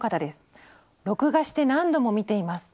「録画して何度も見ています。